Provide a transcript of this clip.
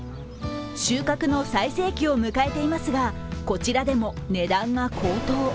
収穫の最盛期を迎えていますがこちらでも値段が高騰。